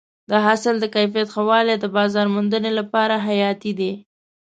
د حاصل د کیفیت ښه والی د بازار موندنې لپاره حیاتي دی.